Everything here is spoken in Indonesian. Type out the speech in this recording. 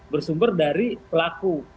bersumber dari pelaku